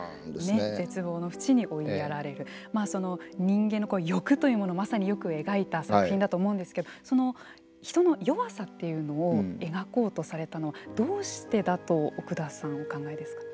その人間の欲というものをまさによく描いた作品だと思うんですけれども人の弱さっていうのを描こうとされたのはどうしてだと奥田さんお考えですか。